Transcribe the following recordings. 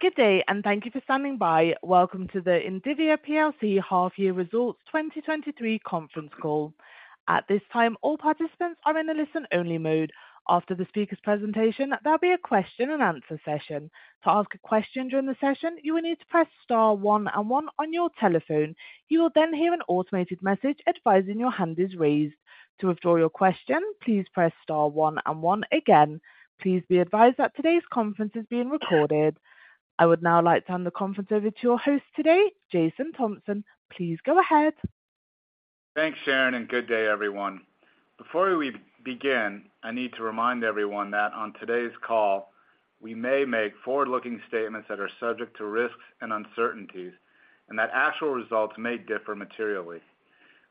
Good day, and thank you for standing by. Welcome to the Indivior PLC Half Year Results 2023 conference call. At this time, all participants are in a listen-only mode. After the speaker's presentation, there'll be a question and answer session. To ask a question during the session, you will need to press star one and one on your telephone. You will hear an automated message advising your hand is raised. To withdraw your question, please press star one and one again. Please be advised that today's conference is being recorded. I would now like to hand the conference over to your host today, Jason Thompson. Please go ahead. Thanks, Sharon. Good day, everyone. Before we begin, I need to remind everyone that on today's call, we may make forward-looking statements that are subject to risks and uncertainties and that actual results may differ materially.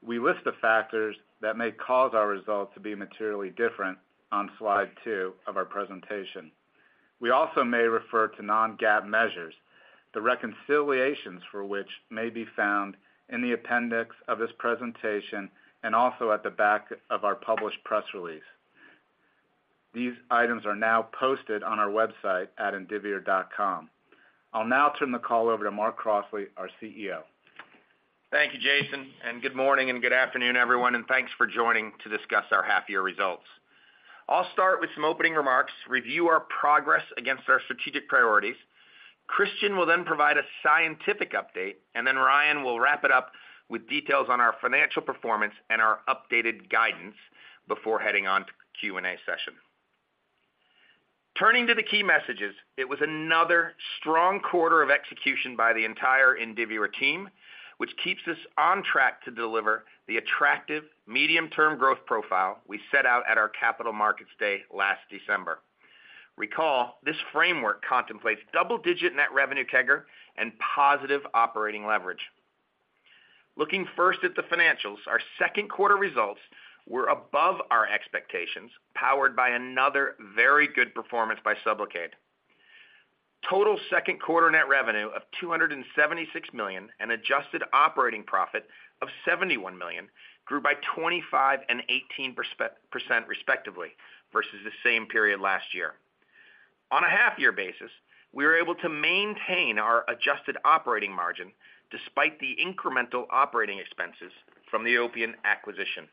We list the factors that may cause our results to be materially different on slide two of our presentation. We also may refer to non-GAAP measures, the reconciliations for which may be found in the appendix of this presentation and also at the back of our published press release. These items are now posted on our website at indivior.com. I'll now turn the call over to Mark Crossley, our CEO. Thank you, Jason, good morning and good afternoon, everyone, and thanks for joining to discuss our half-year results. I'll start with some opening remarks, review our progress against our strategic priorities. Christian will then provide a scientific update, and then Ryan will wrap it up with details on our financial performance and our updated guidance before heading on to the Q&A session. Turning to the key messages, it was another strong quarter of execution by the entire Indivior team, which keeps us on track to deliver the attractive medium-term growth profile we set out at our Capital Markets Day last December. Recall, this framework contemplates double-digit net revenue CAGR and positive operating leverage. Looking first at the financials, our second quarter results were above our expectations, powered by another very good performance by Sublocade. Total second quarter net revenue of $276 million and adjusted operating profit of $71 million grew by 25% and 18%, respectively, versus the same period last year. On a half-year basis, we were able to maintain our adjusted operating margin despite the incremental operating expenses from the Opiant acquisition.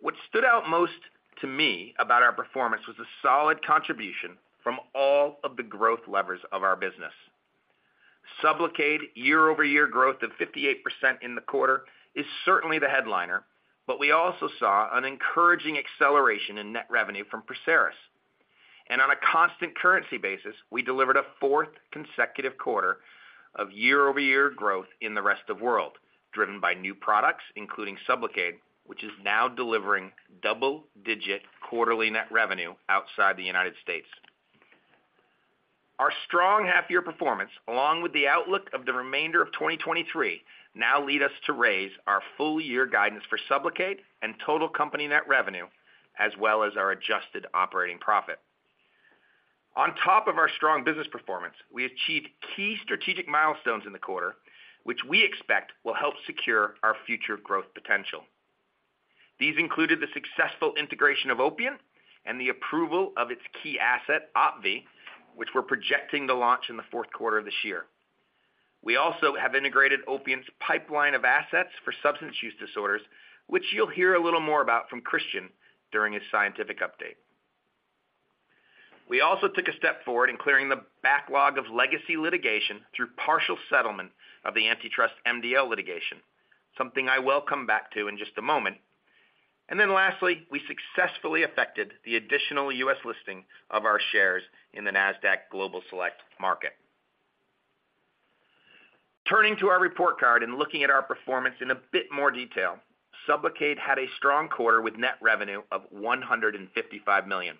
What stood out most to me about our performance was a solid contribution from all of the growth levers of our business. Sublocade year-over-year growth of 58% in the quarter is certainly the headliner, but we also saw an encouraging acceleration in net revenue from Perseris. On a constant currency basis, we delivered a fourth consecutive quarter of year-over-year growth in the rest of world, driven by new products, including Sublocade, which is now delivering double-digit quarterly net revenue outside the United States. Our strong half-year performance, along with the outlook of the remainder of 2023, now lead us to raise our full-year guidance for Sublocade and total company net revenue, as well as our adjusted operating profit. On top of our strong business performance, we achieved key strategic milestones in the quarter, which we expect will help secure our future growth potential. These included the successful integration of Opiant Pharmaceuticals and the approval of its key asset, Opvee, which we're projecting to launch in the fourth quarter of this year. We also have integrated Opiant's pipeline of assets for substance use disorders, which you'll hear a little more about from Christian during his scientific update. We also took a step forward in clearing the backlog of legacy litigation through partial settlement of the Antitrust MDL litigation, something I will come back to in just a moment. Lastly, we successfully affected the additional U.S. listing of our shares in the Nasdaq Global Select Market. Turning to our report card and looking at our performance in a bit more detail, Sublocade had a strong quarter with net revenue of $155 million.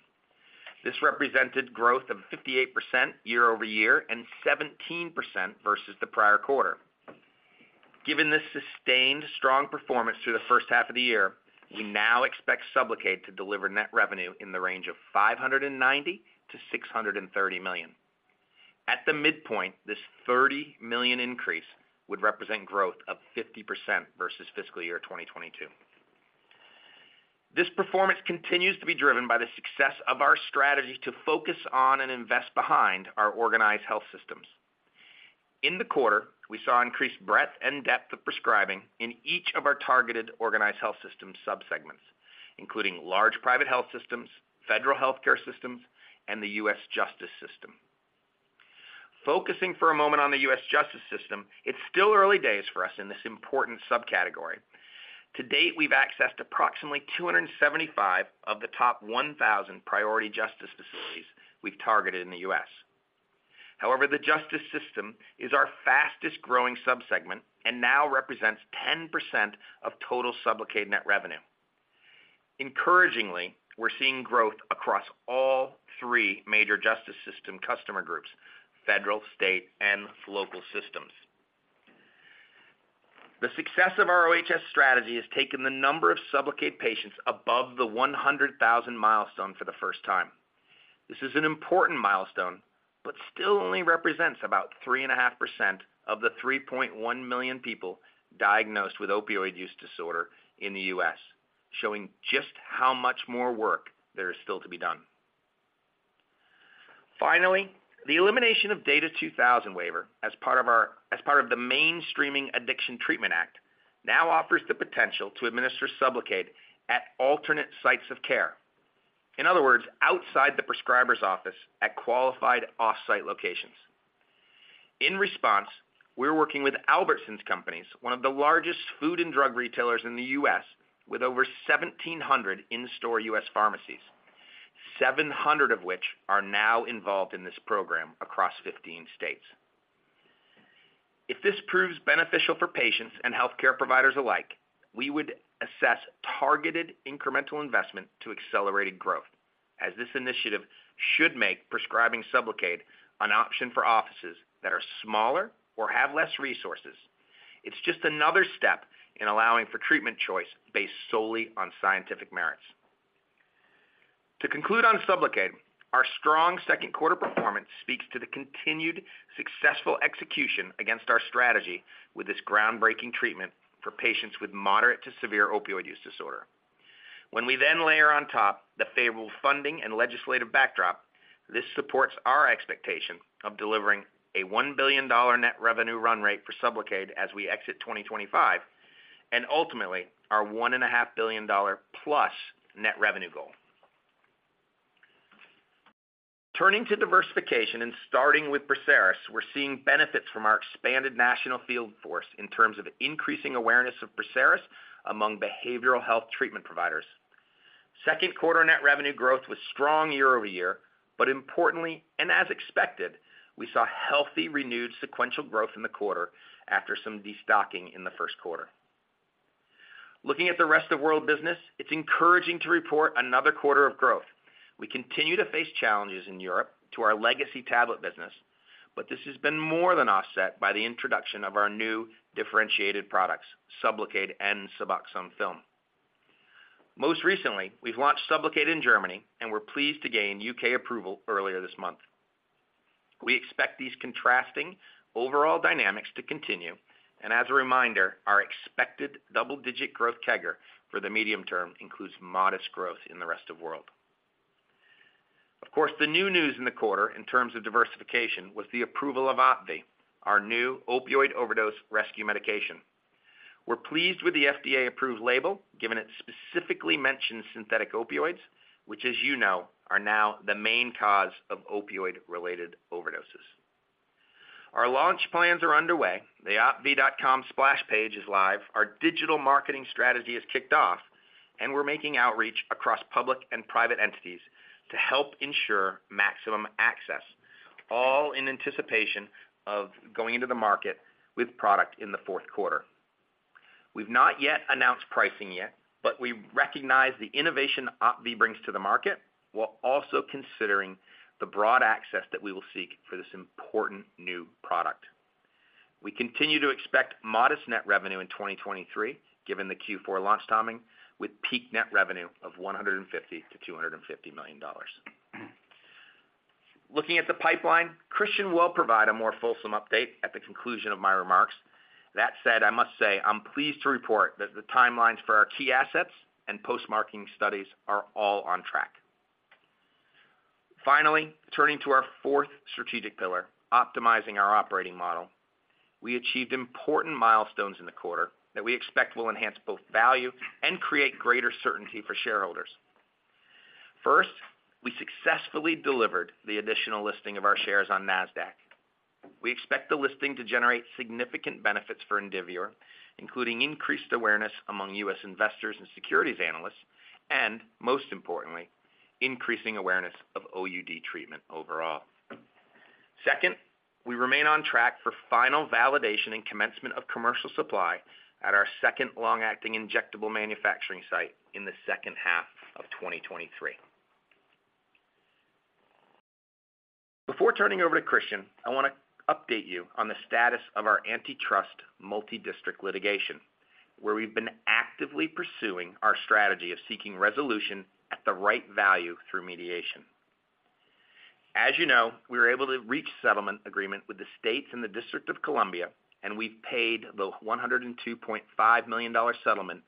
This represented growth of 58% year-over-year and 17% versus the prior quarter. Given this sustained strong performance through the first half of the year, we now expect Sublocade to deliver net revenue in the range of $590 million-$630 million. At the midpoint, this $30 million increase would represent growth of 50% versus fiscal year 2022. This performance continues to be driven by the success of our strategy to focus on and invest behind our organized health systems. In the quarter, we saw increased breadth and depth of prescribing in each of our targeted organized health system subsegments, including large private health systems, federal healthcare systems, and the U.S. justice system. Focusing for a moment on the U.S. justice system, it's still early days for us in this important subcategory. To date, we've accessed approximately 275 of the top 1,000 priority justice facilities we've targeted in the U.S. However, the justice system is our fastest-growing subsegment and now represents 10% of total Sublocade net revenue. Encouragingly, we're seeing growth across all three major justice system customer groups: federal, state, and local systems. The success of our OHS strategy has taken the number of Sublocade patients above the 100,000 milestone for the first time. This is an important milestone, but still only represents about 3.5% of the 3.1 million people diagnosed with opioid use disorder in the U.S., showing just how much more work there is still to be done. Finally, the elimination of DATA 2000 waiver as part of the Mainstreaming Addiction Treatment Act, now offers the potential to administer Sublocade at alternate sites of care. In other words, outside the prescriber's office at qualified off-site locations. In response, we're working with Albertsons Companies, one of the largest food and drug retailers in the U.S., with over 1,700 in-store U.S. pharmacies, 700 of which are now involved in this program across 15 states. If this proves beneficial for patients and healthcare providers alike, we would assess targeted incremental investment to accelerated growth, as this initiative should make prescribing Sublocade an option for offices that are smaller or have less resources. It's just another step in allowing for treatment choice based solely on scientific merits. To conclude on Sublocade, our strong second quarter performance speaks to the continued successful execution against our strategy with this groundbreaking treatment for patients with moderate to severe opioid use disorder. We then layer on top the favorable funding and legislative backdrop, this supports our expectation of delivering a $1 billion net revenue run rate for Sublocade as we exit 2025, and ultimately, our $1.5 billion plus net revenue goal. Turning to diversification, starting with Perseris, we're seeing benefits from our expanded national field force in terms of increasing awareness of Perseris among behavioral health treatment providers. Second quarter net revenue growth was strong year-over-year, importantly, as expected, we saw healthy, renewed sequential growth in the quarter after some destocking in the first quarter. Looking at the rest of world business, it's encouraging to report another quarter of growth. We continue to face challenges in Europe to our legacy tablet business, this has been more than offset by the introduction of our new differentiated products, Sublocade and Suboxone Film. Most recently, we've launched Sublocade in Germany, we're pleased to gain U.K. approval earlier this month. We expect these contrasting overall dynamics to continue. As a reminder, our expected double-digit growth CAGR for the medium term includes modest growth in the rest of world. Of course, the new news in the quarter in terms of diversification was the approval of Opvee, our new opioid overdose rescue medication. We're pleased with the FDA-approved label, given it specifically mentions synthetic opioids, which, as you know, are now the main cause of opioid-related overdoses. Our launch plans are underway. The opvee.com splash page is live, our digital marketing strategy is kicked off. We're making outreach across public and private entities to help ensure maximum access, all in anticipation of going into the market with product in the fourth quarter. We've not yet announced pricing yet, we recognize the innovation Opvee brings to the market, while also considering the broad access that we will seek for this important new product. We continue to expect modest net revenue in 2023, given the Q4 launch timing, with peak net revenue of $150 million-$250 million. Looking at the pipeline, Christian will provide a more fulsome update at the conclusion of my remarks. That said, I must say, I'm pleased to report that the timelines for our key assets and post-marketing studies are all on track. Finally, turning to our fourth strategic pillar, optimizing our operating model. We achieved important milestones in the quarter that we expect will enhance both value and create greater certainty for shareholders. First, we successfully delivered the additional listing of our shares on Nasdaq. We expect the listing to generate significant benefits for Indivior, including increased awareness among U.S. investors and securities analysts, and most importantly, increasing awareness of OUD treatment overall. Second, we remain on track for final validation and commencement of commercial supply at our second long-acting injectable manufacturing site in the second half of 2023. Before turning over to Christian, I want to update you on the status of our Antitrust Multidistrict Litigation, where we've been actively pursuing our strategy of seeking resolution at the right value through mediation. As you know, we were able to reach settlement agreement with the states and the District of Columbia, and we've paid the $102.5 million settlement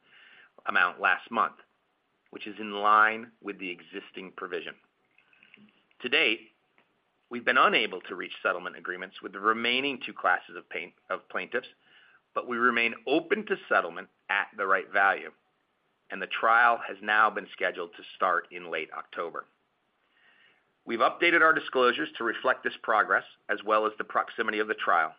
amount last month, which is in line with the existing provision. To date, we've been unable to reach settlement agreements with the remaining two classes of plaintiffs. We remain open to settlement at the right value. The trial has now been scheduled to start in late October. We've updated our disclosures to reflect this progress, as well as the proximity of the trial.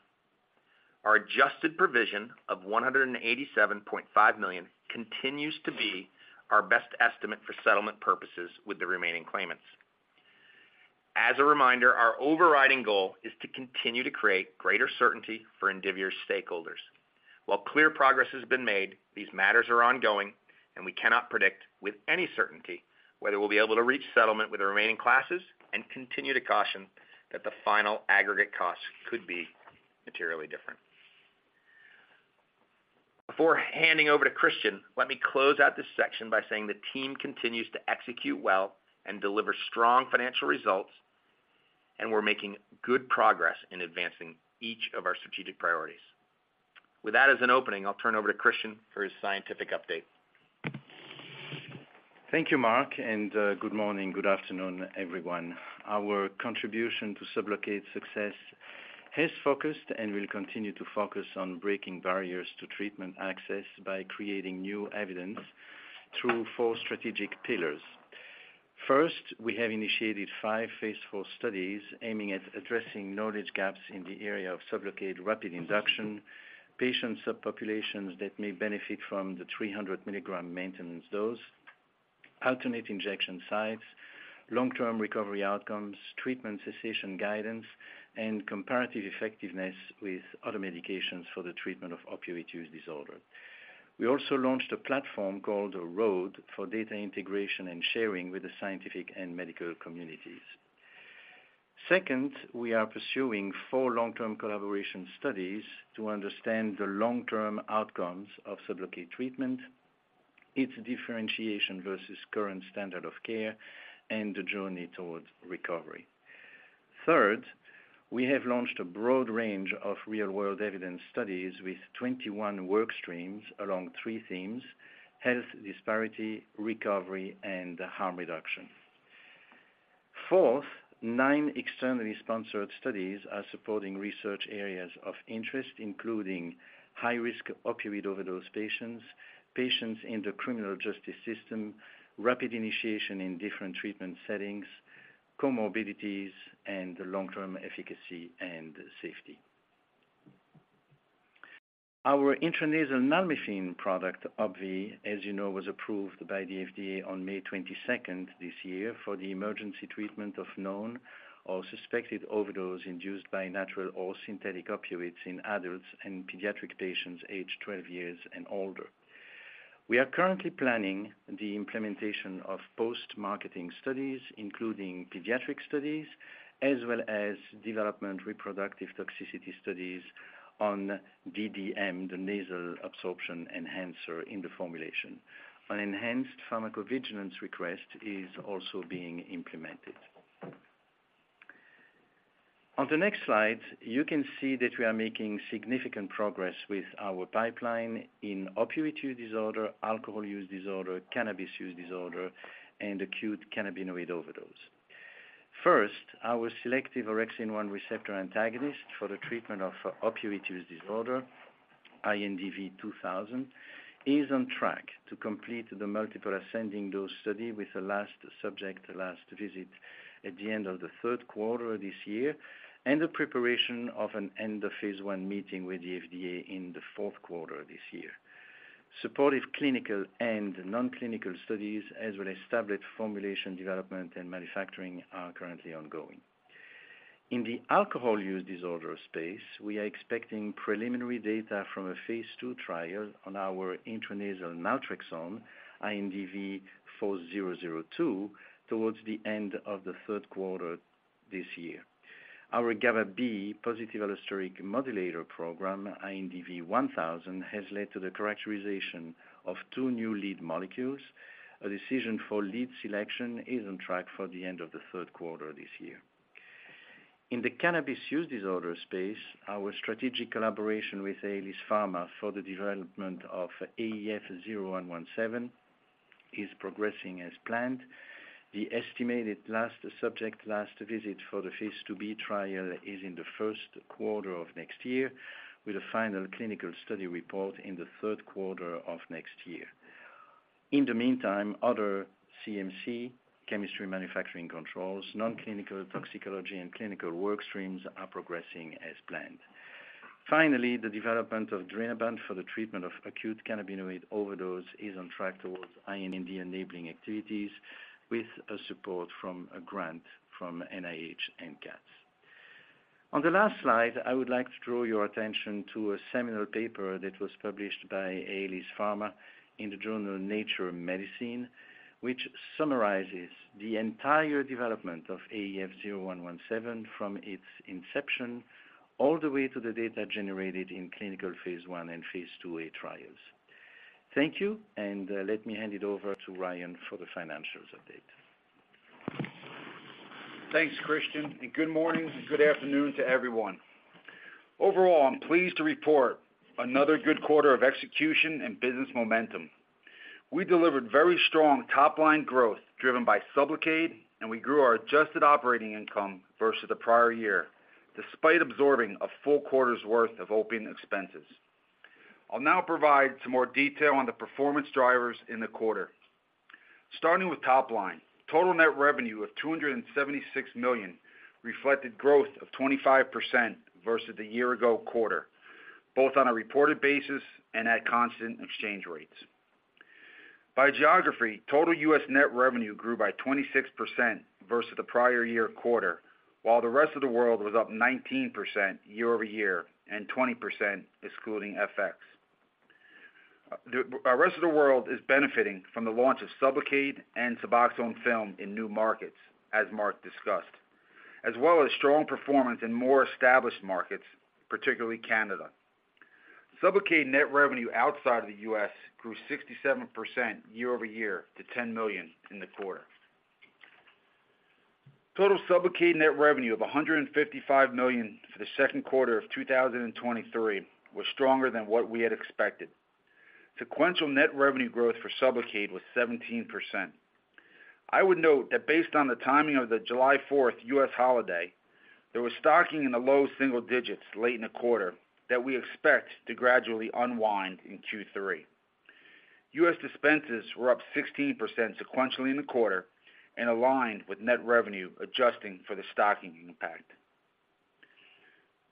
Our adjusted provision of $187.5 million continues to be our best estimate for settlement purposes with the remaining claimants. As a reminder, our overriding goal is to continue to create greater certainty for Indivior stakeholders. While clear progress has been made, these matters are ongoing. We cannot predict with any certainty whether we'll be able to reach settlement with the remaining classes and continue to caution that the final aggregate costs could be materially different. Before handing over to Christian, let me close out this section by saying the team continues to execute well and deliver strong financial results. We're making good progress in advancing each of our strategic priorities. With that as an opening, I'll turn over to Christian for his scientific update. Thank you, Mark, good morning, good afternoon, everyone. Our contribution to Sublocade's success has focused and will continue to focus on breaking barriers to treatment access by creating new evidence through four strategic pillars. First, we have initiated five phase IV studies aiming at addressing knowledge gaps in the area of Sublocade rapid induction, patient subpopulations that may benefit from the 300 milligram maintenance dose, alternate injection sites, long-term recovery outcomes, treatment cessation guidance, and comparative effectiveness with other medications for the treatment of opioid use disorder. We also launched a platform called Road for data integration and sharing with the scientific and medical communities. Second, we are pursuing four long-term collaboration studies to understand the long-term outcomes of Sublocade treatment, its differentiation versus current standard of care, and the journey towards recovery. We have launched a broad range of real-world evidence studies with 21 work streams along three themes: health disparity, recovery, and harm reduction. Nine externally sponsored studies are supporting research areas of interest, including high-risk opioid overdose patients, patients in the criminal justice system, rapid initiation in different treatment settings, comorbidities, and long-term efficacy and safety. Our intranasal naloxone product, Opvee, as you know, was approved by the FDA on May 22nd this year for the emergency treatment of known or suspected overdose induced by natural or synthetic opioids in adults and pediatric patients aged 12 years and older. We are currently planning the implementation of post-marketing studies, including pediatric studies, as well as development reproductive toxicity studies on DDM, the nasal absorption enhancer in the formulation. An enhanced pharmacovigilance request is also being implemented. On the next slide, you can see that we are making significant progress with our pipeline in opioid use disorder, alcohol use disorder, cannabis use disorder, and acute cannabinoid overdose. First, our selective orexin-1 receptor antagonist for the treatment of opioid use disorder, INDV-2000, is on track to complete the multiple ascending dose study with the last subject, last visit at the end of the third quarter this year, and the preparation of an end of phase I meeting with the FDA in the fourth quarter this year. Supportive clinical and nonclinical studies, as well as tablet formulation, development, and manufacturing, are currently ongoing. In the alcohol use disorder space, we are expecting preliminary data from a phase II trial on our intranasal naltrexone, INDV-4002, towards the end of the third quarter this year. Our GABAB positive allosteric modulator program, INDV-1000, has led to the characterization of two new lead molecules. A decision for lead selection is on track for the end of the third quarter this year. In the cannabis use disorder space, our strategic collaboration with Aelis Farma for the development of AEF0117 is progressing as planned. The estimated last subject, last visit for the phase II-B trial is in the first quarter of next year, with a final clinical study report in the third quarter of next year. In the meantime, other CMC, Chemistry, Manufacturing and Controls, nonclinical toxicology, and clinical work streams are progressing as planned. Finally, the development of Drinabant for the treatment of acute cannabinoid overdose is on track towards IND-enabling activities with a support from a grant from NIH NCATS. On the last slide, I would like to draw your attention to a seminal paper that was published by Aelis Farma in the journal Nature Medicine, which summarizes the entire development of AEF0117 from its inception, all the way to the data generated in clinical phase I and phase II-A trials. Thank you, and let me hand it over to Ryan for the financials update. Thanks, Christian. Good morning and good afternoon to everyone. Overall, I'm pleased to report another good quarter of execution and business momentum. We delivered very strong top-line growth driven by Sublocade, and we grew our adjusted operating income versus the prior year, despite absorbing a full quarter's worth of opening expenses. I'll now provide some more detail on the performance drivers in the quarter. Starting with top line, total net revenue of $276 million reflected growth of 25% versus the year ago quarter, both on a reported basis and at constant exchange rates. By geography, total U.S. net revenue grew by 26% versus the prior year quarter, while the rest of the world was up 19% year-over-year and 20% excluding FX. The rest of the world is benefiting from the launch of Sublocade and Suboxone Film in new markets, as Mark discussed, as well as strong performance in more established markets, particularly Canada. Sublocade net revenue outside of the U.S. grew 67% year-over-year to $10 million in the quarter. Total Sublocade net revenue of $155 million for the second quarter of 2023 was stronger than what we had expected. Sequential net revenue growth for Sublocade was 17%. I would note that based on the timing of the July 4th U.S. holiday, there was stocking in the low single digits late in the quarter that we expect to gradually unwind in Q3. U.S. dispenses were up 16% sequentially in the quarter and aligned with net revenue, adjusting for the stocking impact.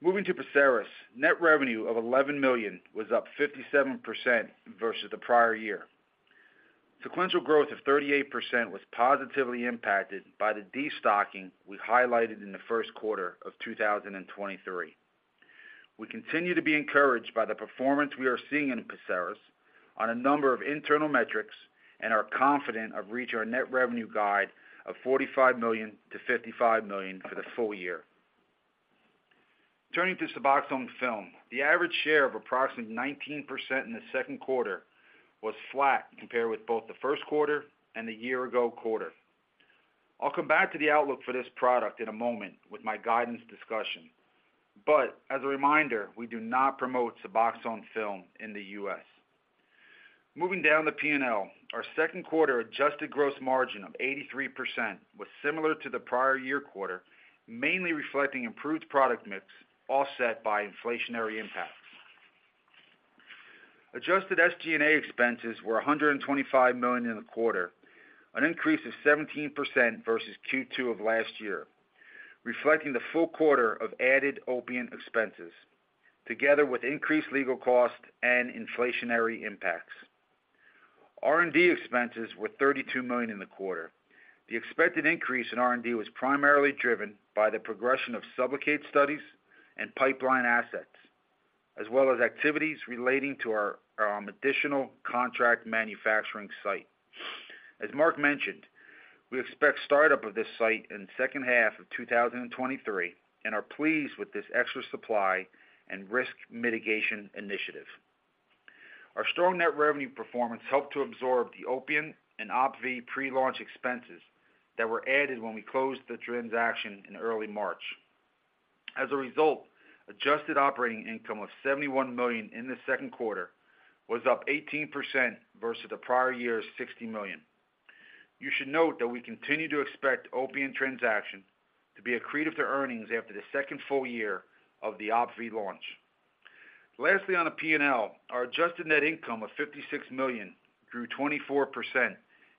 Moving to Perseris, net revenue of $11 million was up 57% versus the prior year. Sequential growth of 38% was positively impacted by the destocking we highlighted in the first quarter of 2023. We continue to be encouraged by the performance we are seeing in Perseris on a number of internal metrics and are confident of reaching our net revenue guide of $45 million-$55 million for the full year. Turning to Suboxone Film, the average share of approximately 19% in the second quarter was flat compared with both the first quarter and the year ago quarter. I'll come back to the outlook for this product in a moment with my guidance discussion. As a reminder, we do not promote Suboxone Film in the U.S. Moving down the P&L, our second quarter adjusted gross margin of 83% was similar to the prior year quarter, mainly reflecting improved product mix, offset by inflationary impacts. Adjusted SG&A expenses were $125 million in the quarter, an increase of 17% versus Q2 of last year, reflecting the full quarter of added Opiant expenses, together with increased legal costs and inflationary impacts. R&D expenses were $32 million in the quarter. The expected increase in R&D was primarily driven by the progression of Sublocade studies and pipeline assets, as well as activities relating to our additional contract manufacturing site. As Mark mentioned, we expect startup of this site in the second half of 2023 and are pleased with this extra supply and risk mitigation initiative. Our strong net revenue performance helped to absorb the Opiant and Opvee pre-launch expenses that were added when we closed the transaction in early March. As a result, adjusted operating income of $71 million in the second quarter was up 18% versus the prior year's $60 million. You should note that we continue to expect Opiant transaction to be accretive to earnings after the second full year of the Opvee launch. Lastly, on the P&L, our adjusted net income of $56 million grew 24%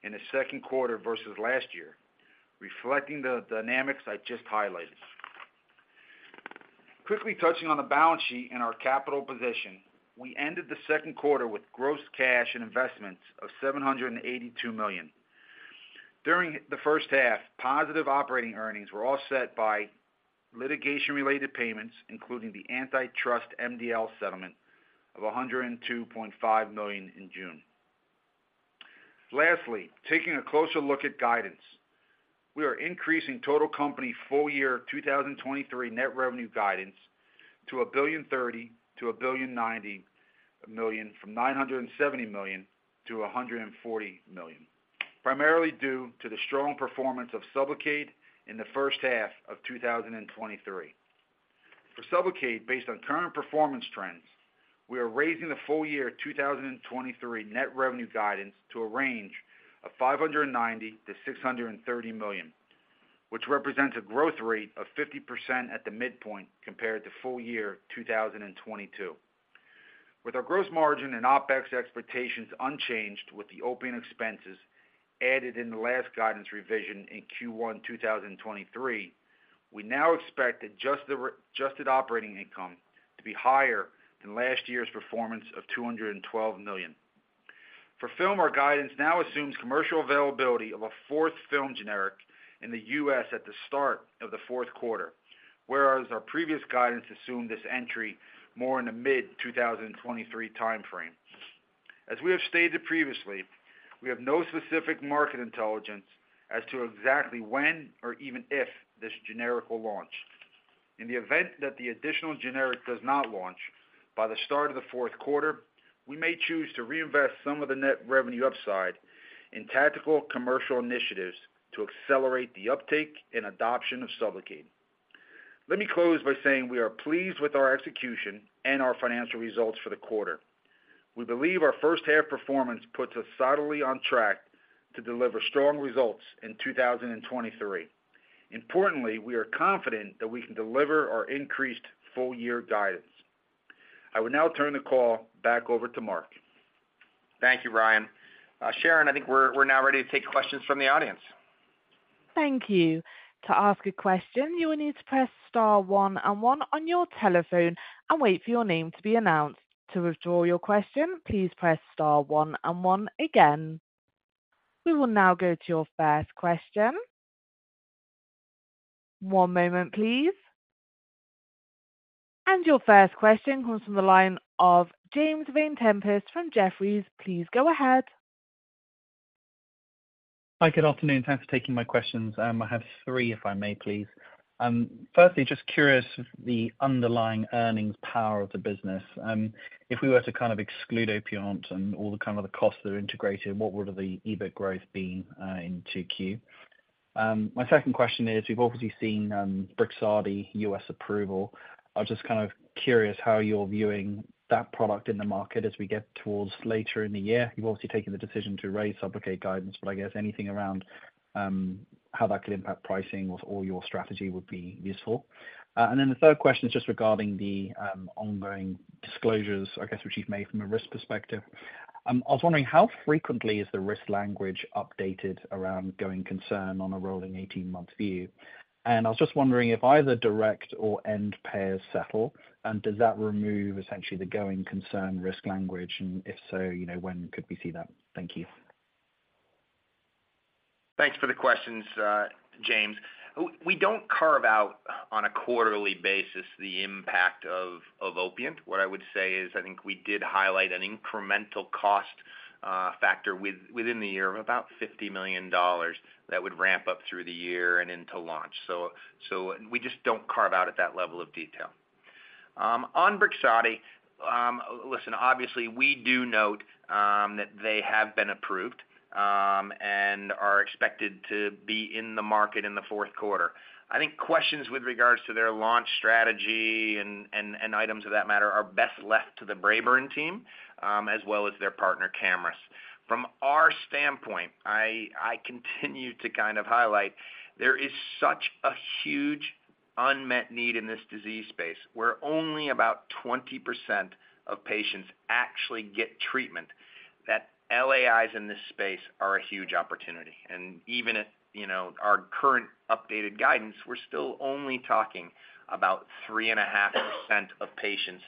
in the second quarter versus last year, reflecting the dynamics I just highlighted. Quickly touching on the balance sheet and our capital position, we ended the second quarter with gross cash and investments of $782 million. During the first half, positive operating earnings were offset by litigation-related payments, including the Antitrust MDL settlement of $102.5 million in June. Lastly, taking a closer look at guidance. We are increasing total company full year 2023 net revenue guidance to $1.03 billion-$1.09 billion, from $970 million-$140 million, primarily due to the strong performance of Sublocade in the first half of 2023. For Sublocade, based on current performance trends, we are raising the full year 2023 net revenue guidance to a range of $590 million-$630 million, which represents a growth rate of 50% at the midpoint compared to full year 2022. With our gross margin and OpEx expectations unchanged with the Opiant expenses added in the last guidance revision in Q1 2023, we now expect adjusted operating income to be higher than last year's performance of $212 million. For Film, our guidance now assumes commercial availability of a fourth film generic in the U.S. at the start of the fourth quarter, whereas our previous guidance assumed this entry more in the mid-2023 timeframe. As we have stated previously, we have no specific market intelligence as to exactly when or even if this generic will launch. In the event that the additional generic does not launch by the start of the fourth quarter, we may choose to reinvest some of the net revenue upside in tactical commercial initiatives to accelerate the uptake and adoption of Sublocade. Let me close by saying we are pleased with our execution and our financial results for the quarter. We believe our first half performance puts us solidly on track to deliver strong results in 2023. Importantly, we are confident that we can deliver our increased full-year guidance. I will now turn the call back over to Mark. Thank you, Ryan. Sharon, I think we're now ready to take questions from the audience. Thank you. To ask a question, you will need to press star one and one on your telephone and wait for your name to be announced. To withdraw your question, please press star one and one again. We will now go to your first question. One moment, please. Your first question comes from the line of James Vane-Tempest from Jefferies. Please go ahead. Hi, good afternoon. Thanks for taking my questions. I have three, if I may, please. Firstly, just curious, the underlying earnings power of the business. If we were to kind of exclude Opiant and all the kind of the costs that are integrated, what would the EBIT growth be in 2Q? My second question is, we've obviously seen Brixadi U.S. approval. I'm just kind of curious how you're viewing that product in the market as we get towards later in the year. You've obviously taken the decision to raise Sublocade guidance, but I guess anything around how that could impact pricing or, or your strategy would be useful. The third question is just regarding the ongoing disclosures, I guess, which you've made from a risk perspective.I was wondering, how frequently is the risk language updated around going concern on a rolling 18-month view? I was just wondering if either direct or end payers settle, and does that remove essentially the going concern risk language? If so, you know, when could we see that? Thank you. Thanks for the questions, James. We don't carve out on a quarterly basis the impact of Opiant. What I would say is, I think we did highlight an incremental cost factor within the year of about $50 million that would ramp up through the year and into launch. We just don't carve out at that level of detail. On Brixadi, listen, obviously we do note that they have been approved and are expected to be in the market in the fourth quarter. I think questions with regards to their launch strategy and items of that matter are best left to the Braeburn team as well as their partner, Camurus. From our standpoint, I continue to kind of highlight there is such a huge unmet need in this disease space, where only about 20% of patients actually get treatment, that LAIs in this space are a huge opportunity. Even at, you know, our current updated guidance, we're still only talking about 3.5% of patients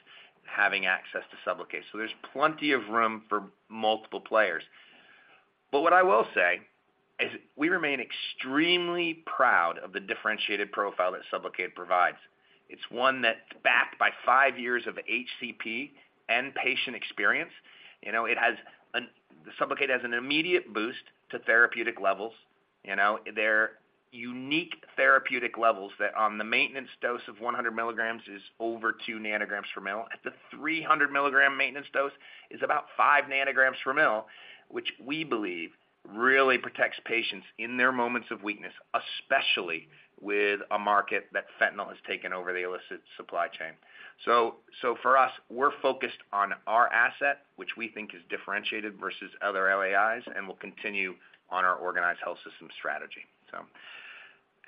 having access to Sublocade. There's plenty of room for multiple players. What I will say is we remain extremely proud of the differentiated profile that Sublocade provides. It's one that's backed by five years of HCP and patient experience. You know, Sublocade has an immediate boost to therapeutic levels. You know, their unique therapeutic levels that on the maintenance dose of 100 milligrams is over 2 nanograms per ml. At the 300 milligram maintenance dose, is about 5 nanograms per ml, which we believe really protects patients in their moments of weakness, especially with a market that fentanyl has taken over the illicit supply chain. For us, we're focused on our asset, which we think is differentiated versus other LAIs, and we'll continue on our organized health system strategy.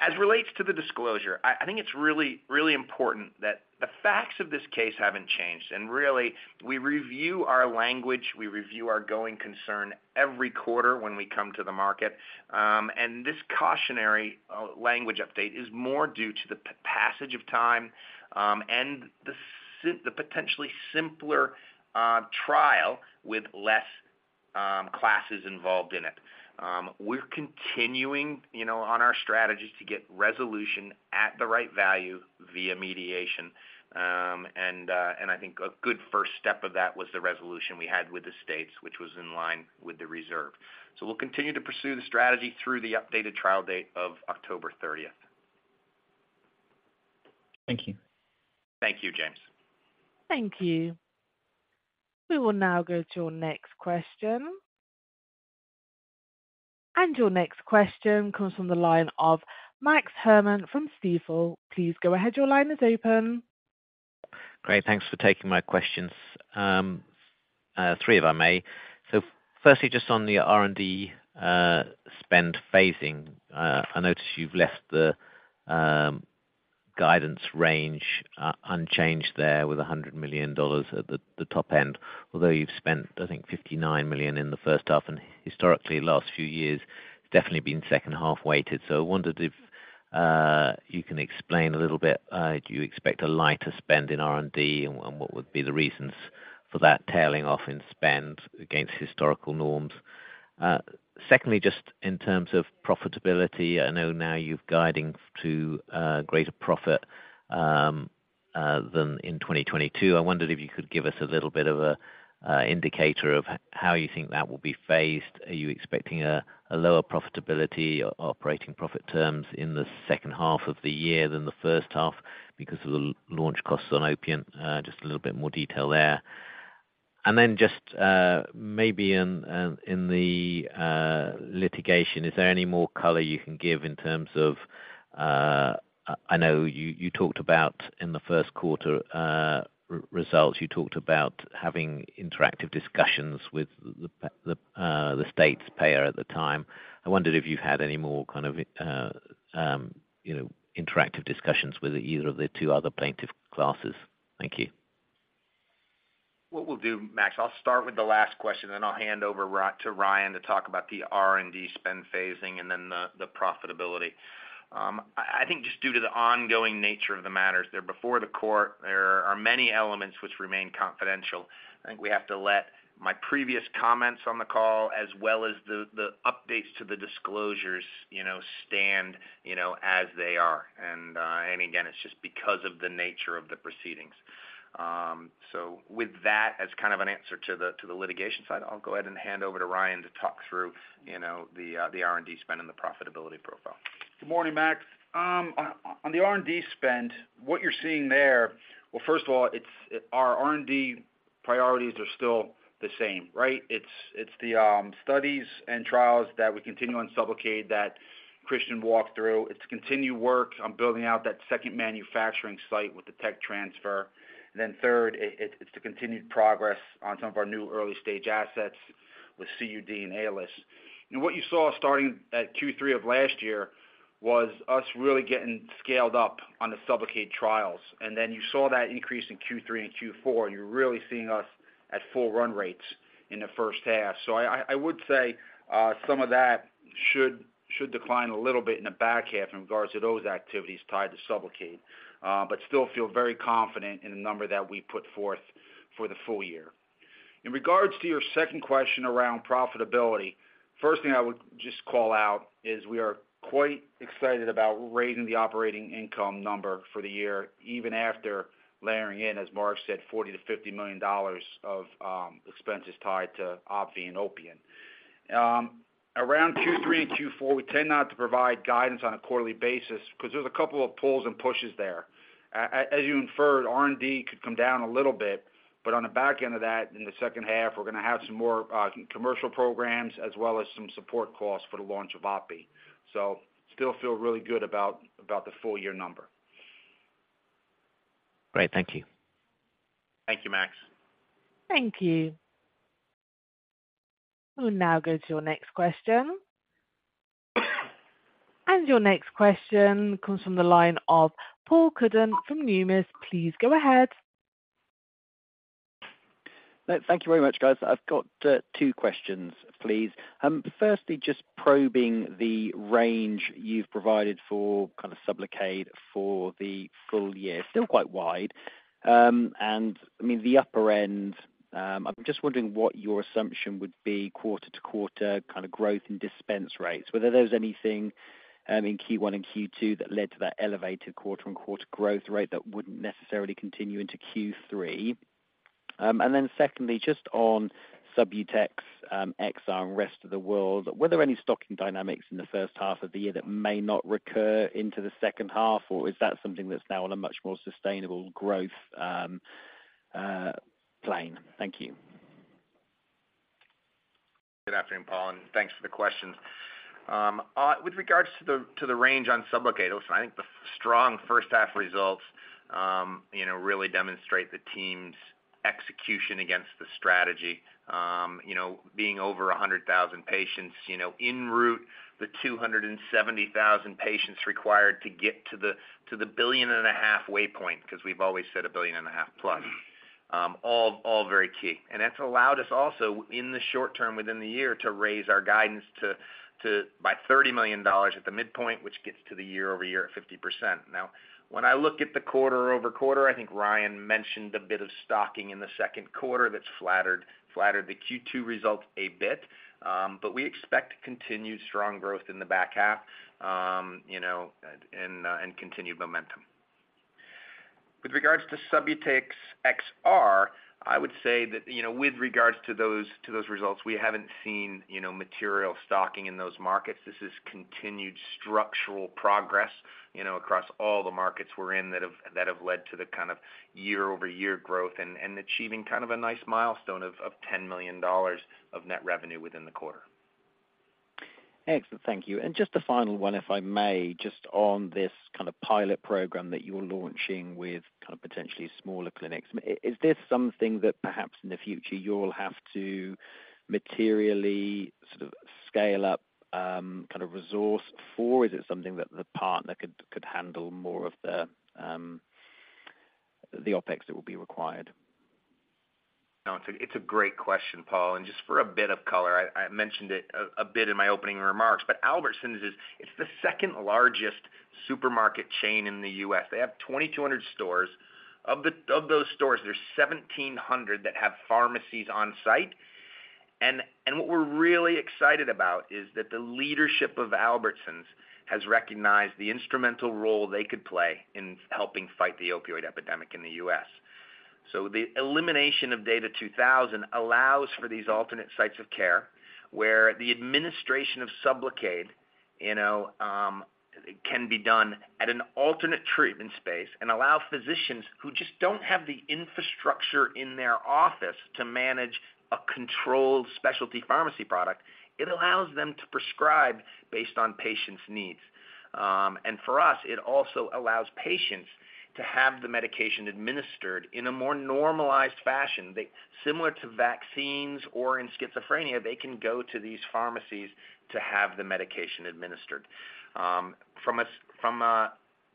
As relates to the disclosure, I think it's really important that the facts of this case haven't changed. Really, we review our language, we review our going concern every quarter when we come to the market. This cautionary language update is more due to the passage of time, and the potentially simpler trial with less classes involved in it. We're continuing, you know, on our strategies to get resolution at the right value via mediation. I think a good first step of that was the resolution we had with the states, which was in line with the reserve. We'll continue to pursue the strategy through the updated trial date of October 30th. Thank you. Thank you, James. Thank you. We will now go to your next question. Your next question comes from the line of Max Herrmann from Stifel. Please go ahead. Your line is open. Great, thanks for taking my questions. Three, if I may. Firstly, just on the R&D spend phasing, I notice you've left the guidance range unchanged there with $100 million at the top end. Although you've spent, I think, $59 million in the first half, and historically, last few years, it's definitely been second half weighted. I wondered if you can explain a little bit, do you expect a lighter spend in R&D? What would be the reasons for that tailing off in spend against historical norms? Secondly, just in terms of profitability, I know now you're guiding to greater profit than in 2022. I wondered if you could give us a little bit of a indicator of how you think that will be phased. Are you expecting a lower profitability operating profit terms in the second half of the year than the first half because of the launch costs on Opvee? Just a little bit more detail there. Then just maybe in the litigation, is there any more color you can give in terms of. I know you talked about in the first quarter results, you talked about having interactive discussions with the States payer at the time. I wondered if you've had any more kind of, you know, interactive discussions with either of the two other plaintiff classes? Thank you. What we'll do, Max, I'll start with the last question, then I'll hand over to Ryan to talk about the R&D spend phasing and then the profitability. I think just due to the ongoing nature of the matters, they're before the court, there are many elements which remain confidential. I think we have to let my previous comments on the call, as well as the updates to the disclosures, you know, stand, you know, as they are. Again, it's just because of the nature of the proceedings. With that, as kind of an answer to the litigation side, I'll go ahead and hand over to Ryan to talk through, you know, the R&D spend and the profitability profile. Good morning, Max. On the R&D spend, what you're seeing there. Well, first of all, our R&D priorities are still the same, right? It's the studies and trials that we continue on Sublocade that Christian walked through. It's continued work on building out that second manufacturing site with the tech transfer. Third, it's the continued progress on some of our new early-stage assets with CUD and Aelis. What you saw starting at Q3 of last year, was us really getting scaled up on the Sublocade trials, you saw that increase in Q3 and Q4, you're really seeing us at full run rates in the first half. I would say some of that should decline a little bit in the back half in regards to those activities tied to Sublocade, but still feel very confident in the number that we put forth for the full year. In regards to your second question around profitability, first thing I would just call out is we are quite excited about raising the operating income number for the year, even after layering in, as Mark said, $40 million-$50 million of expenses tied to Opvee and Opiant. Around Q3 and Q4, we tend not to provide guidance on a quarterly basis because there's a couple of pulls and pushes there. As you inferred, R&D could come down a little bit, on the back end of that, in the second half, we're gonna have some more commercial programs as well as some support costs for the launch of Opvee. Still feel really good about the full year number. Great. Thank you. Thank you, Max. Thank you. We'll now go to your next question. Your next question comes from the line of Paul Cuddon from Numis. Please go ahead. Thank you very much, guys. I've got two questions, please. Firstly, just probing the range you've provided for kind of Sublocade for the full year, still quite wide. I mean, the upper end, I'm just wondering what your assumption would be quarter-to-quarter kind of growth in dispense rates, whether there's anything in Q1 and Q2 that led to that elevated quarter-on-quarter growth rate that wouldn't necessarily continue into Q3. Secondly, just on Subutex XR and rest of the world, were there any stocking dynamics in the first half of the year that may not recur into the second half, or is that something that's now on a much more sustainable growth plane? Thank you. Good afternoon, Paul. Thanks for the questions. With regards to the range on Sublocade, listen, I think the strong first half results, you know, really demonstrate the team's execution against the strategy. You know, being over 100,000 patients, you know, en route, the 270,000 patients required to get to the billion and a half waypoint, because we've always said a billion and a half plus. All very key. That's allowed us also, in the short term, within the year, to raise our guidance to by $30 million at the midpoint, which gets to the year-over-year at 50%. When I look at the quarter-over-quarter, I think Ryan mentioned a bit of stocking in the second quarter that's flattered the Q2 results a bit, but we expect continued strong growth in the back half, you know, and continued momentum. With regards to Subutex XR, I would say that, you know, with regards to those results, we haven't seen, you know, material stocking in those markets. This is continued structural progress, you know, across all the markets we're in that have led to the kind of year-over-year growth and, achieving kind of a nice milestone of $10 million of net revenue within the quarter. Excellent. Thank you. Just a final one, if I may, just on this kind of pilot program that you're launching with kind of potentially smaller clinics. Is this something that perhaps in the future you'll have to materially sort of scale up, kind of resource for? Or is it something that the partner could handle more of the OpEx that will be required? It's a great question, Paul, just for a bit of color, I mentioned it a bit in my opening remarks, but Albertsons it's the second largest supermarket chain in the U.S. They have 2,200 stores. Of those stores, there's 1,700 that have pharmacies on site. What we're really excited about is that the leadership of Albertsons has recognized the instrumental role they could play in helping fight the opioid epidemic in the U.S. The elimination of DATA 2000 allows for these alternate sites of care, where the administration of Sublocade, you know, can be done at an alternate treatment space and allow physicians who just don't have the infrastructure in their office to manage a controlled specialty pharmacy product. It allows them to prescribe based on patient's needs. For us, it also allows patients to have the medication administered in a more normalized fashion. Similar to vaccines or in schizophrenia, they can go to these pharmacies to have the medication administered. From a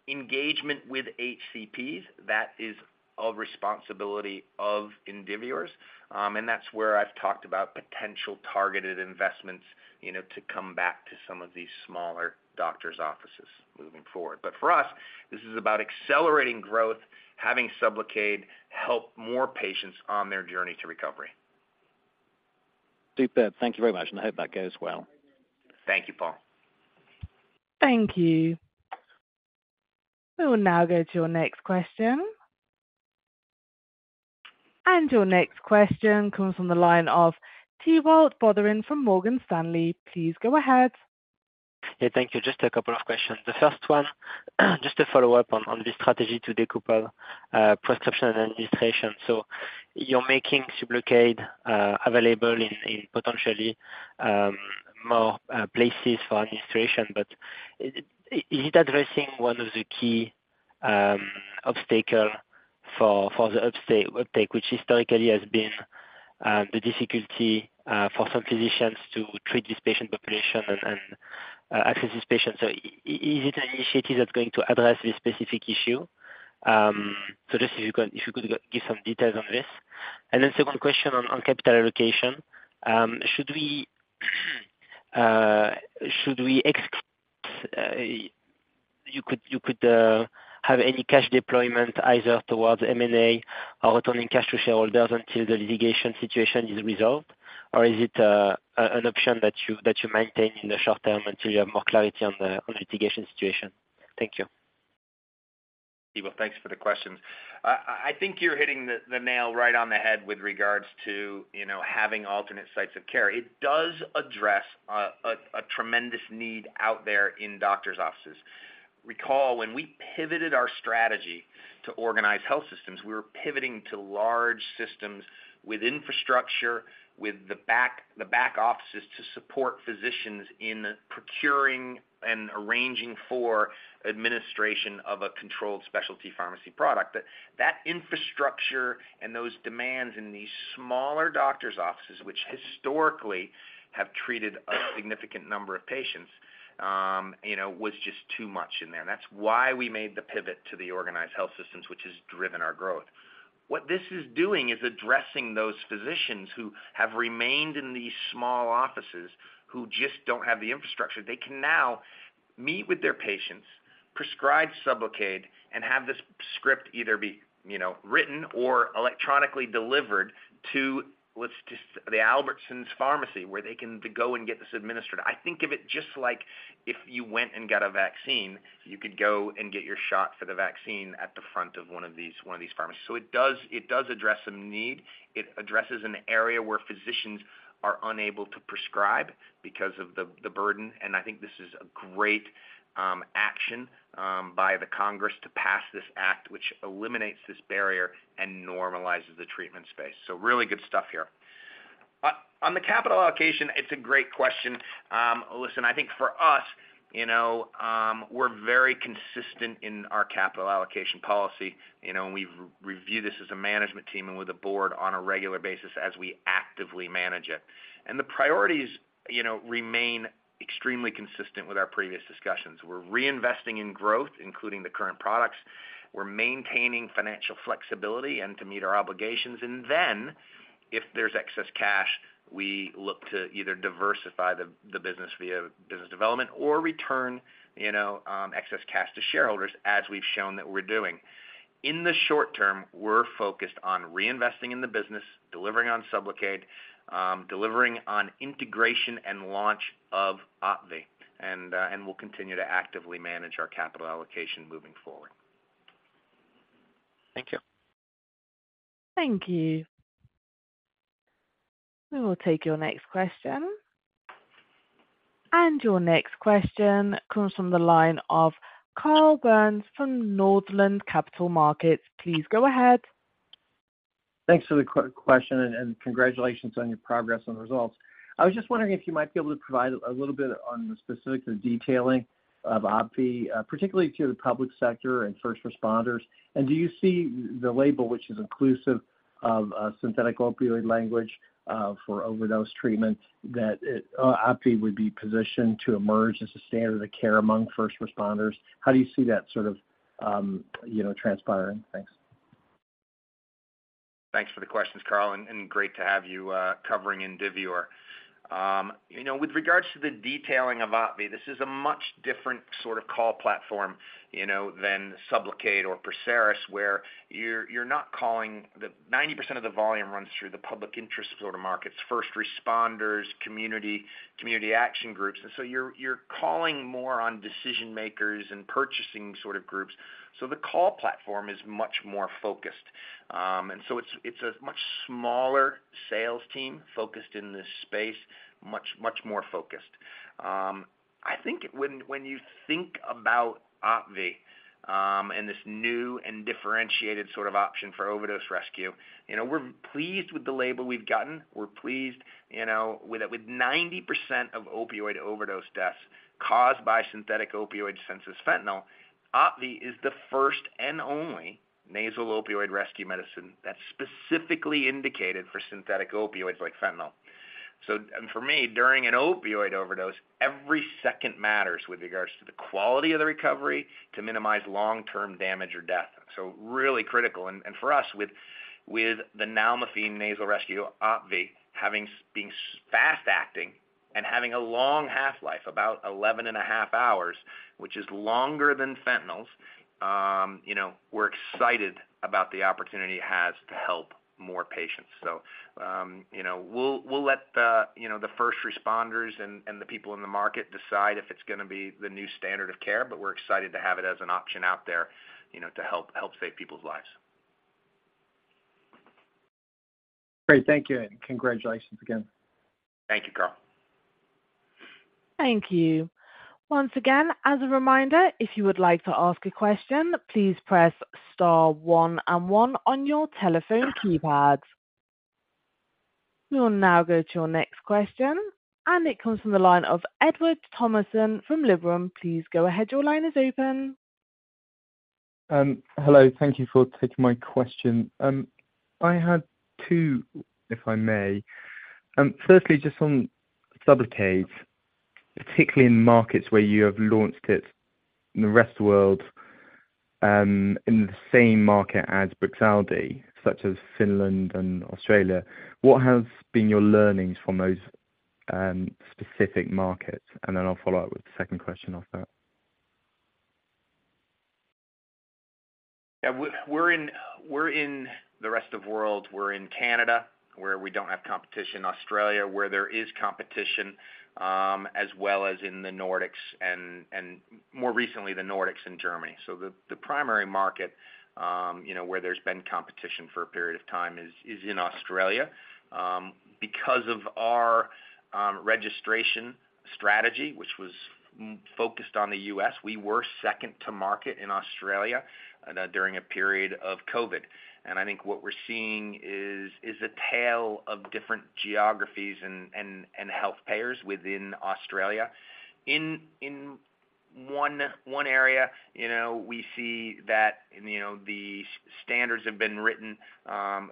engagement with HCPs, that is a responsibility of Indivior's. That's where I've talked about potential targeted investments, you know, to come back to some of these smaller doctor's offices moving forward. For us, this is about accelerating growth, having Sublocade help more patients on their journey to recovery. Superb. Thank you very much, and I hope that goes well. Thank you, Paul. Thank you. We will now go to your next question. Your next question comes from the line of Thibault Boutherin from Morgan Stanley. Please go ahead. Yeah, thank you. Just a couple of questions. The first one, just to follow up on this strategy to decouple prescription and administration. You're making Sublocade available in potentially more places for administration, but is it addressing one of the key obstacle for the uptake, which historically has been the difficulty for some physicians to treat this patient population and access this patient? Is it an initiative that's going to address this specific issue? Just if you could give some details on this. Then second question on capital allocation. Should we expect you could have any cash deployment, either towards MLA or returning cash to shareholders until the litigation situation is resolved? Is it an option that you maintain in the short term until you have more clarity on the litigation situation? Thank you. Thibault, thanks for the questions. I think you're hitting the nail right on the head with regards to, you know, having alternate sites of care. It does address a tremendous need out there in doctor's offices. Recall, when we pivoted our strategy to organize health systems, we were pivoting to large systems with infrastructure, with the back offices to support physicians in procuring and arranging for administration of a controlled specialty pharmacy product. That infrastructure and those demands in these smaller doctor's offices, which historically have treated a significant number of patients, you know, was just too much in there. That's why we made the pivot to the organized health systems, which has driven our growth. What this is doing is addressing those physicians who have remained in these small offices, who just don't have the infrastructure. They can now meet with their patients, prescribe Sublocade, and have this script either be, you know, written or electronically delivered to the Albertsons pharmacy, where they can go and get this administered. I think of it just like if you went and got a vaccine, you could go and get your shot for the vaccine at the front of one of these pharmacies. It does address a need. It addresses an area where physicians are unable to prescribe because of the burden, and I think this is a great action by the Congress to pass this act, which eliminates this barrier and normalizes the treatment space. Really good stuff here. On the capital allocation, it's a great question. Listen, I think for us, you know, we're very consistent in our capital allocation policy. You know, we've review this as a management team and with a board on a regular basis as we actively manage it. The priorities, you know, remain extremely consistent with our previous discussions. We're reinvesting in growth, including the current products. We're maintaining financial flexibility and to meet our obligations. Then, if there's excess cash, we look to either diversify the, the business via business development or return, you know, excess cash to shareholders, as we've shown that we're doing. In the short term, we're focused on reinvesting in the business, delivering on Sublocade, delivering on integration and launch of Opvee, and we'll continue to actively manage our capital allocation moving forward. Thank you. Thank you. We will take your next question. Your next question comes from the line of Carl Byrnes from Northland Capital Markets. Please go ahead. Thanks for the question, and congratulations on your progress and results. I was just wondering if you might be able to provide a little bit on the specifics of detailing of Opvee, particularly to the public sector and first responders. Do you see the label, which is inclusive of, of synthetic opioid language, for overdose treatment, that it, Opvee, would be positioned to emerge as a standard of care among first responders? How do you see that sort of, you know, transpiring? Thanks. Thanks for the questions, Carl, and great to have you covering Indivior. You know, with regards to the detailing of Opvee, this is a much different sort of call platform, you know, than Sublocade or Perseris, where you're not calling the. 90% of the volume runs through the public interest sort of markets, first responders, community, community action groups, and so you're calling more on decision makers and purchasing sort of groups. The call platform is much more focused. So it's a much smaller sales team focused in this space, much more focused. I think when you think about Opvee, and this new and differentiated sort of option for overdose rescue, you know, we're pleased with the label we've gotten. We're pleased, you know, with 90% of opioid overdose deaths caused by synthetic opioids such as fentanyl, Opvee is the first and only nasal opioid rescue medicine that's specifically indicated for synthetic opioids like fentanyl. For me, during an opioid overdose, every second matters with regards to the quality of the recovery to minimize long-term damage or death. Really critical. For us, with the naloxone nasal rescue, Opvee, being fast acting and having a long half-life, about 11.5 hours, which is longer than fentanyls, you know, we're excited about the opportunity it has to help more patients. You know, we'll let the, you know, the first responders and the people in the market decide if it's gonna be the new standard of care, but we're excited to have it as an option out there, you know, to help save people's lives. Great. Thank you, and congratulations again. Thank you, Carl. Thank you. Once again, as a reminder, if you would like to ask a question, please press star one and one on your telephone keypad. We will now go to your next question, and it comes from the line of Edward Thomason from Liberum. Please go ahead. Your line is open. Hello. Thank you for taking my question. I had two, if I may. Firstly, just on Sublocade, particularly in markets where you have launched it in the rest of the world, in the same market as Brixadi, such as Finland and Australia, what have been your learnings from those specific markets? Then I'll follow up with the second question after that. We're in the rest of world. We're in Canada, where we don't have competition, Australia, where there is competition, as well as in the Nordics and more recently, the Nordics and Germany. The primary market, you know, where there's been competition for a period of time is in Australia. Because of our registration strategy, which was focused on the U.S., we were second to market in Australia during a period of COVID. I think what we're seeing is a tale of different geographies and health payers within Australia. In one area, you know, we see that, you know, the standards have been written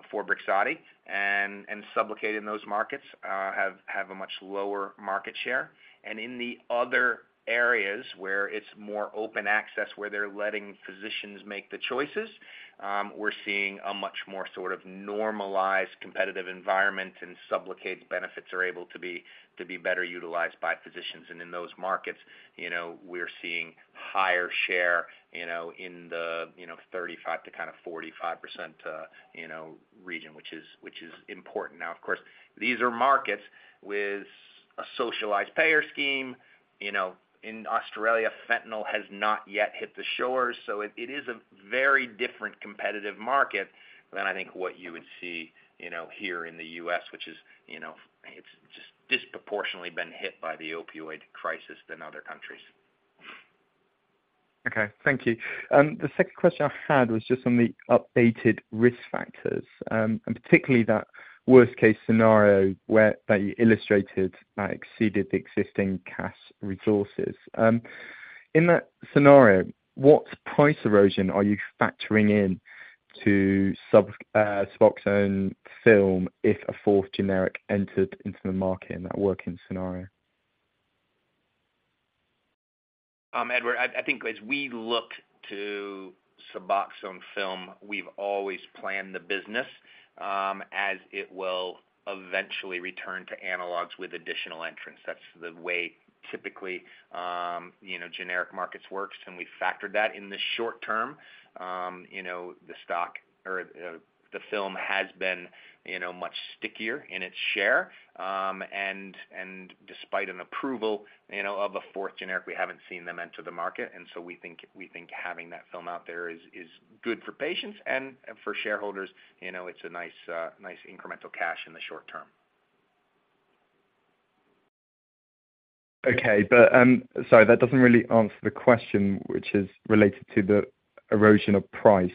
for Brixadi and Sublocade in those markets have a much lower market share. In the other areas where it's more open access, where they're letting physicians make the choices, we're seeing a much more sort of normalized competitive environment, and Sublocade's benefits are able to be better utilized by physicians. In those markets, you know, we're seeing higher share, you know, in the, you know, 35%-45%, you know, region, which is, which is important. Of course, these are markets with a socialized payer scheme. You know, in Australia, fentanyl has not yet hit the shores, so it, it is a very different competitive market than I think what you would see, you know, here in the U.S., which is, you know, it's just disproportionately been hit by the opioid crisis than other countries. Okay, thank you. The second question I had was just on the updated risk factors, and particularly that worst case scenario where that you illustrated, exceeded the existing cash resources. In that scenario, what price erosion are you factoring in to Suboxone Film if a fourth generic entered into the market in that working scenario? Edward, I think as we look to Suboxone Film, we've always planned the business as it will eventually return to analogs with additional entrants. That's the way typically, you know, generic markets works, we've factored that in the short term. You know, the stock or the film has been, you know, much stickier in its share. Despite an approval, you know, of a fourth generic, we haven't seen them enter the market. We think having that film out there is good for patients and for shareholders. You know, it's a nice, nice incremental cash in the short term. Okay. Sorry, that doesn't really answer the question, which is related to the erosion of price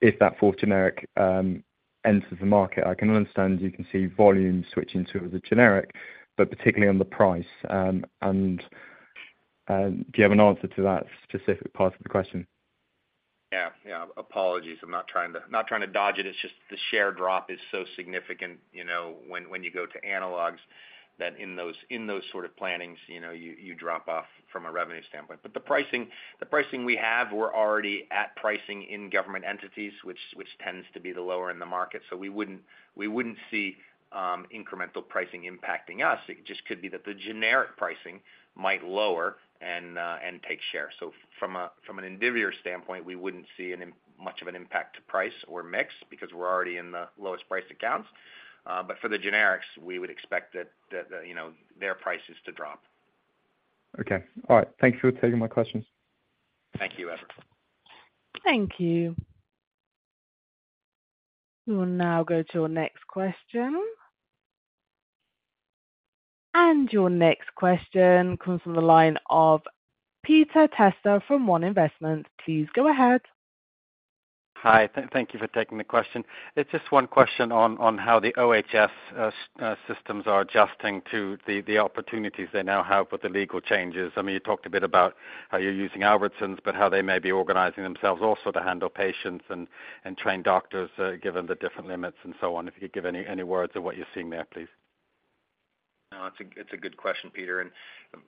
if that fourth generic enters the market. I can understand you can see volume switching to the generic, but particularly on the price. Do you have an answer to that specific part of the question? Yeah, yeah. Apologies. I'm not trying to dodge it. It's just the share drop is so significant, you know, when you go to analogs, that in those sort of plannings, you know, you drop off from a revenue standpoint. The pricing, the pricing we have, we're already at pricing in government entities, which tends to be the lower in the market. We wouldn't see incremental pricing impacting us. It just could be that the generic pricing might lower and take share. From an Indivior standpoint, we wouldn't see much of an impact to price or mix because we're already in the lowest priced accounts. For the generics, we would expect that, you know, their prices to drop. Okay. All right. Thank you for taking my questions. Thank you, Edward. Thank you. We will now go to our next question. Your next question comes from the line of Peter Testa from One Investments. Please go ahead. Hi, thank you for taking the question. It's just one question on how the OHS systems are adjusting to the opportunities they now have with the legal changes. I mean, you talked a bit about how you're using Albertsons, but how they may be organizing themselves also to handle patients and train doctors, given the different limits and so on. If you could give any words on what you're seeing there, please. No, it's a good question, Peter.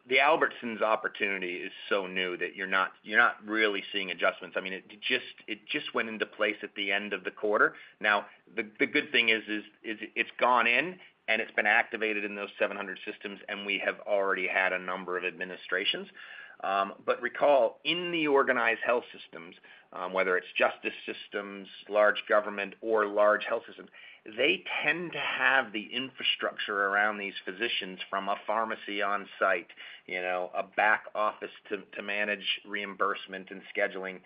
The Albertsons opportunity is so new that you're not really seeing adjustments. I mean, it just went into place at the end of the quarter. Now, the good thing is, it's gone in, and it's been activated in those 700 systems, and we have already had a number of administrations. Recall, in the organized health systems, whether it's justice systems, large government, or large health systems, they tend to have the infrastructure around these physicians from a pharmacy on site, you know, a back office to manage reimbursement and scheduling.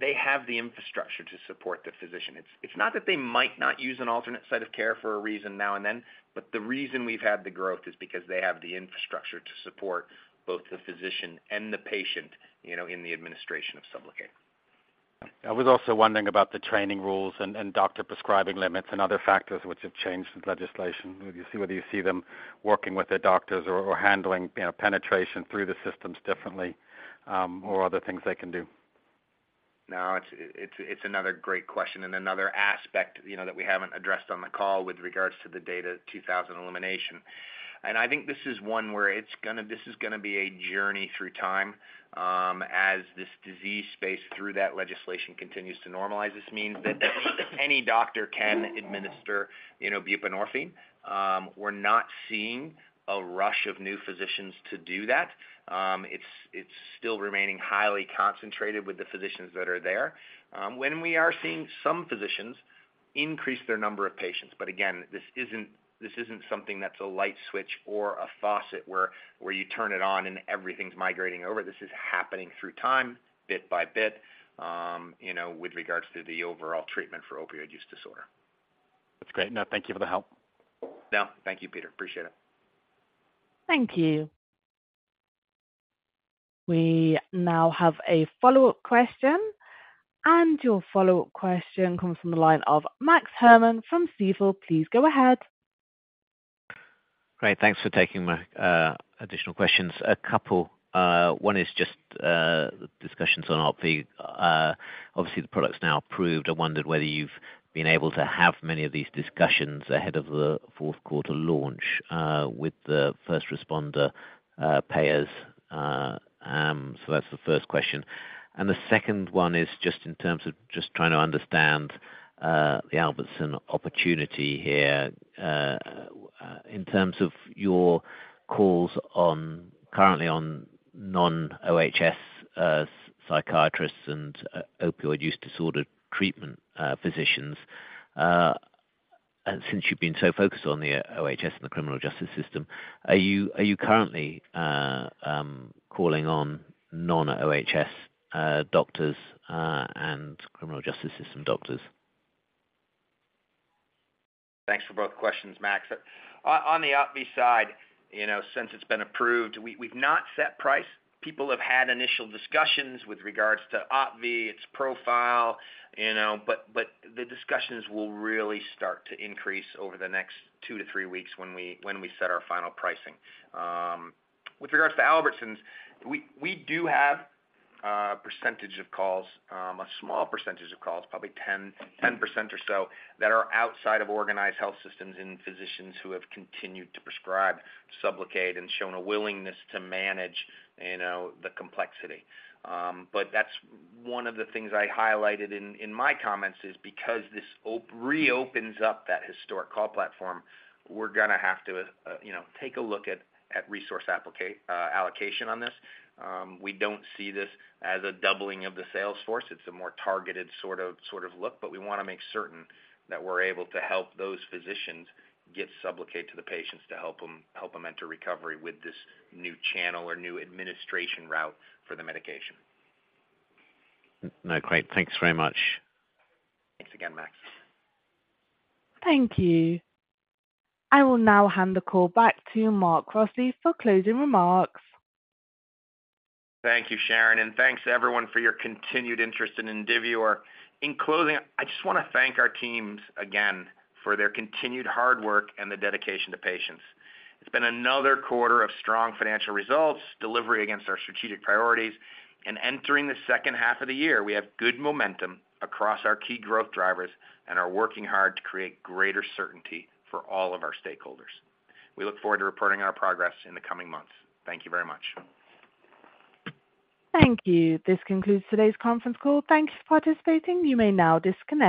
They have the infrastructure to support the physician. It's not that they might not use an alternate site of care for a reason now and then, but the reason we've had the growth is because they have the infrastructure to support both the physician and the patient, you know, in the administration of Sublocade. I was also wondering about the training rules and doctor prescribing limits and other factors which have changed with legislation. Whether you see them working with their doctors or handling, you know, penetration through the systems differently, or other things they can do? No, it's another great question and another aspect, you know, that we haven't addressed on the call with regards to the DATA 2000 elimination. I think this is one where this is gonna be a journey through time, as this disease space through that legislation continues to normalize. This means that any doctor can administer, you know, buprenorphine. We're not seeing a rush of new physicians to do that. It's still remaining highly concentrated with the physicians that are there. When we are seeing some physicians increase their number of patients, but again, this isn't something that's a light switch or a faucet where you turn it on and everything's migrating over. This is happening through time, bit by bit, you know, with regards to the overall treatment for opioid use disorder. That's great. Thank you for the help. No, thank you, Peter. Appreciate it. Thank you. We now have a follow-up question. Your follow-up question comes from the line of Max Herrmann from Stifel. Please go ahead. Great. Thanks for taking my additional questions. A couple, one is just discussions on Opvee. Obviously, the product's now approved. I wondered whether you've been able to have many of these discussions ahead of the fourth quarter launch with the first responder payers. So that's the first question. The second one is just in terms of just trying to understand the Albertsons opportunity here in terms of your calls on, currently on non-OHS psychiatrists and opioid use disorder treatment physicians. Since you've been so focused on the OHS and the criminal justice system, are you currently calling on non-OHS doctors and criminal justice system doctors? Thanks for both questions, Max. On the Opvee side, you know, since it's been approved, we've not set price. People have had initial discussions with regards to Opvee, its profile, you know, but the discussions will really start to increase over the next two to three weeks when we set our final pricing. With regards to Albertsons, we do have a percentage of calls, a small percentage of calls, probably 10% or so, that are outside of organized health systems in physicians who have continued to prescribe Sublocade and shown a willingness to manage, you know, the complexity. That's one of the things I highlighted in my comments is because this reopens up that historic call platform, we're gonna have to, you know, take a look at resource allocation on this. We don't see this as a doubling of the sales force. It's a more targeted sort of look, but we wanna make certain that we're able to help those physicians get Sublocade to the patients to help them enter recovery with this new channel or new administration route for the medication. No, great. Thanks very much. Thanks again, Max. Thank you. I will now hand the call back to Mark Crossley for closing remarks. Thank you, Sharon. Thanks to everyone for your continued interest in Indivior. In closing, I just wanna thank our teams again for their continued hard work and the dedication to patients. It's been another quarter of strong financial results, delivery against our strategic priorities, and entering the second half of the year, we have good momentum across our key growth drivers and are working hard to create greater certainty for all of our stakeholders. We look forward to reporting our progress in the coming months. Thank you very much. Thank you. This concludes today's conference call. Thank you for participating. You may now disconnect.